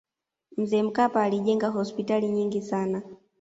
mzee mkapa alijenga hospitali nyingi sana